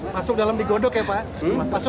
masuk dalam digodok ya pak